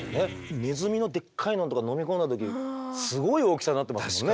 ネズミのでっかいのとか飲み込んだ時すごい大きさになってますもんね。